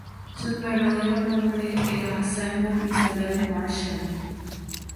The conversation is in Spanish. Su verdadero nombre era Simone Isabelle Marchand.